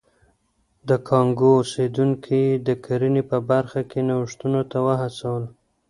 د کانګو اوسېدونکي یې د کرنې په برخه کې نوښتونو ته وهڅول.